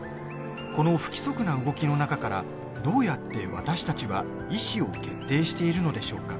この不規則な動きの中からどうやって私たちは意志を決定しているのでしょうか？